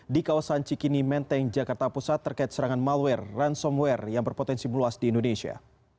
di kawasan cikini menteng jakarta pusat terkait serangan malware ransomware yang berpotensi meluas di indonesia